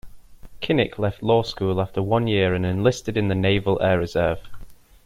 Kinnick left law school after one year and enlisted in the Naval Air Reserve.